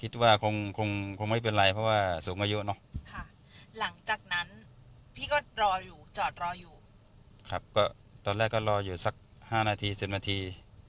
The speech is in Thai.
ตอนแรกก็รออยู่สัก๕๑๐นาที